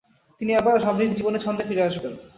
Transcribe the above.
তিনি আবার স্বাভাবিক জীবনের ছন্দে ফিরে আসবেন।